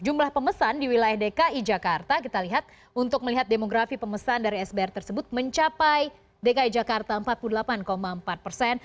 jumlah pemesan di wilayah dki jakarta kita lihat untuk melihat demografi pemesan dari sbr tersebut mencapai dki jakarta empat puluh delapan empat persen